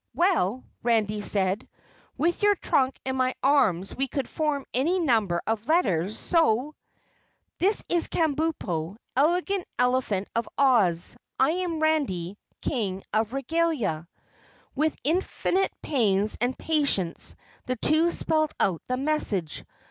"Well," Randy said, "with your trunk and my arms we could form any number of letters, so " "This is Kabumpo, Elegant Elephant of Oz. I am Randy, King of Regalia." With infinite pains and patience the two spelled out the message.